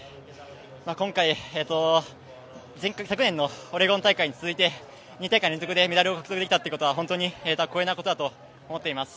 今回、前回のオレゴン大会に続いて、２大会連続メダルを獲得できたということは光栄なことだと思います。